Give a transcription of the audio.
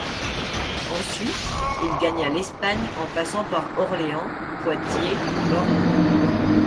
Ensuite il gagna l'Espagne en passant par Orléans, Poitiers, Bordeaux.